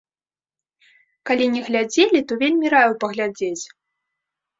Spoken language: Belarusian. Калі не глядзелі, то вельмі раю паглядзець.